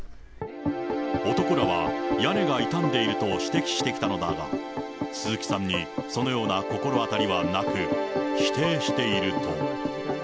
男らは屋根が傷んでいると指摘してきたのだが、鈴木さんにそのような心当たりはなく、否定していると。